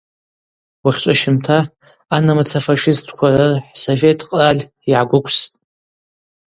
Уахьчӏващымта анамыца фашистква рыр хӏ-Совет къраль йгӏагвыквстӏ.